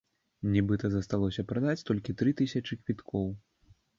Нібыта, засталося прадаць толькі тры тысячы квіткоў.